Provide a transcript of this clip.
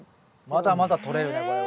まだまだとれるねこれは。